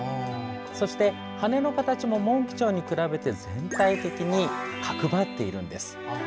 そして羽の形もモンキチョウに比べて全体的に角ばっているんです。